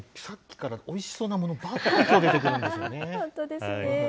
さっきからおいしそうなものばかり出てくるんですよね。